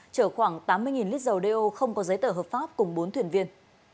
chở khoảng tám mươi lít dầu đeo không có giấy tờ hợp pháp cùng bốn thuyền viên